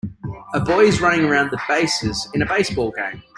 A boy is running around the bases in a baseball game.